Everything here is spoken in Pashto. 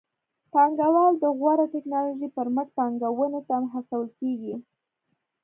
پانګوال د غوره ټکنالوژۍ پر مټ پانګونې ته هڅول کېږي.